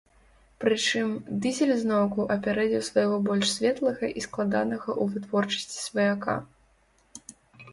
Прычым, дызель зноўку апярэдзіў свайго больш светлага і складанага ў вытворчасці сваяка.